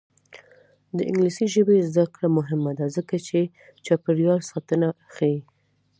د انګلیسي ژبې زده کړه مهمه ده ځکه چې چاپیریال ساتنه ښيي.